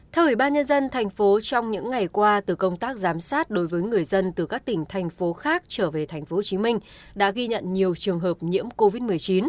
theo ubnd tp hcm trong những ngày qua từ công tác giám sát đối với người dân từ các tỉnh thành phố khác trở về tp hcm đã ghi nhận nhiều trường hợp nhiễm covid một mươi chín